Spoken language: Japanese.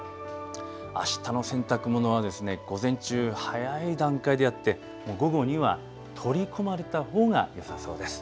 あしたの洗濯物は午前中、早い段階でやって、午後には取り込まれたほうがよさそうです。